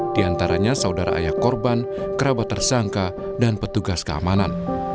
di antaranya saudara ayah korban kerabat tersangka dan petugas keamanan